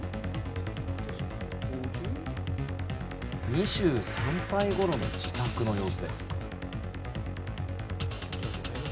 ２３歳頃の自宅の様子です。